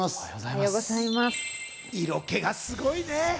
色気がすごいね。